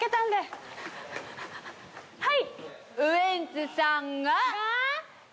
はい！